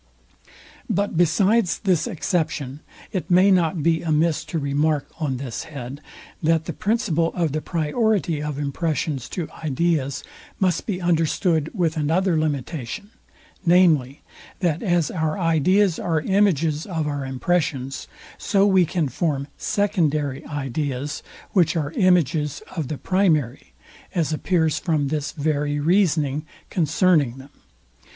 But besides this exception, it may not be amiss to remark on this head, that the principle of the priority of impressions to ideas must be understood with another limitation, viz., that as our ideas are images of our impressions, so we can form secondary ideas, which are images of the primary; as appears from this very reasoning concerning them.